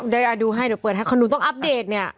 เดี๋ยวดูให้หนูต้องอัปเดตเนี่ย